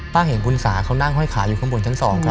เห็นคุณสาเขานั่งห้อยขาอยู่ข้างบนชั้น๒